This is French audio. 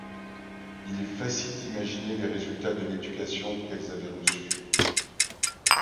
Il est facile d’imaginer les résultats de l’éducation qu’elles avaient reçue.